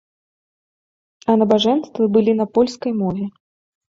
А набажэнствы былі на польскай мове.